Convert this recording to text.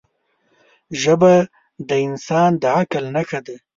ژبه د انسان د عقل نښه ده